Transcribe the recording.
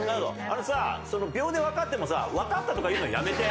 あのさその秒でわかってもさわかったとか言うのやめて。